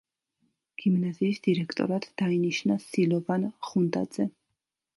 გიმნაზიის დირექტორად დაინიშნა სილოვან ხუნდაძე.